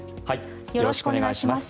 よろしくお願いします。